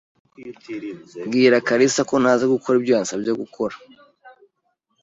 Bwira kalisa ko ntazi gukora ibyo yansabye gukora.